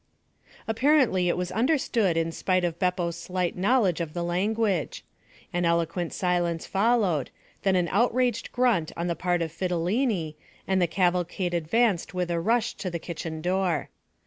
Apparently it was understood in spite of Beppo's slight knowledge of the language. An eloquent silence followed; then an outraged grunt on the part of Fidilini, and the cavalcade advanced with a rush to the kitchen door.